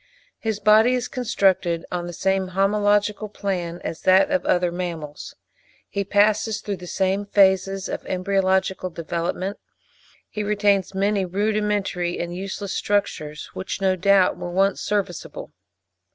His body is constructed on the same homological plan as that of other mammals. He passes through the same phases of embryological development. He retains many rudimentary and useless structures, which no doubt were once serviceable.